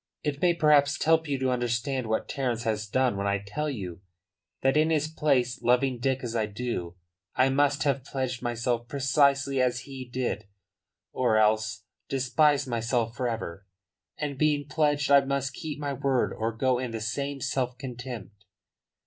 "It may perhaps help you to understand what Terence has done when I tell you that in his place, loving Dick as I do, I must have pledged myself precisely as he did or else despised myself for ever. And being pledged, I must keep my word or go in the same self contempt."